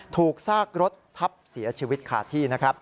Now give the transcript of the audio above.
ถูกซากรถทับเสียชีวิตขาดที่